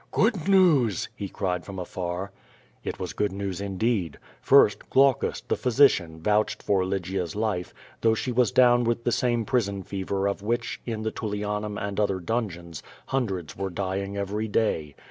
"Good news!'* he cried from afar. It was good news indeed. First, Glaucus, the physician, vouched for Lygia's life, though she was down with the same ])rison fever of which, in the Tullianum and other dungeons, iiundreds were dying every day.